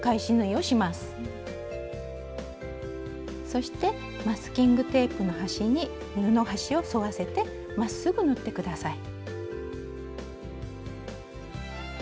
そしてマスキングテープの端に布端を沿わせてまっすぐ縫って下さい。